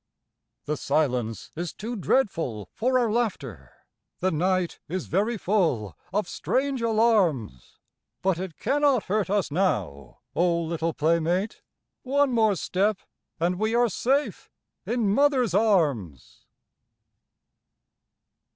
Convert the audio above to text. The silence is too dreadful for our laughter, The night is very full of strange alarms. But it cannot hurt us now, O, little playmate, One more step and we are safe in mother's arms